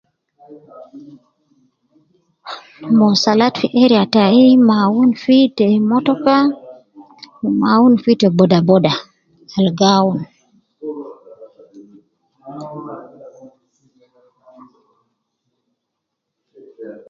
Mausalat fi area tai ma awun fi ta motoka, ma awun fi ta boda boda, al gi awun